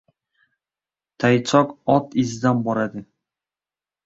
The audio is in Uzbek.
• Toychoq ot izidan boradi.